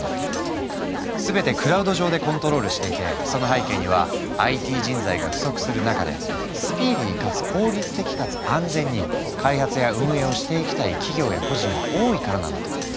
全てクラウド上でコントロールしていてその背景にはＩＴ人材が不足する中でスピーディーかつ効率的かつ安全に開発や運営をしていきたい企業や個人が多いからなんだとか。